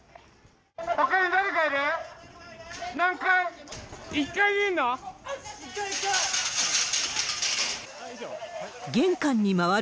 ほかに誰かいる？